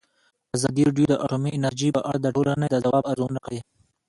ازادي راډیو د اټومي انرژي په اړه د ټولنې د ځواب ارزونه کړې.